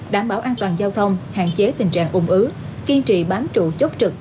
đảm bảo an toàn giao thông hạn chế tình trạng ủng ứ kiên trì bám trụ chốt trực